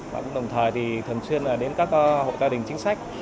và cũng đồng thời thì thường xuyên đến các hộ gia đình chính sách